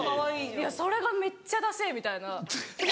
それがめっちゃダセェみたいな。